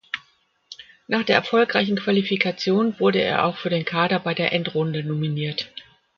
Nach der erfolgreichen Qualifikation wurde er auch für den Kader bei der Endrunde nominiert.